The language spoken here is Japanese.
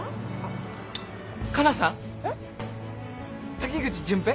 滝口順平？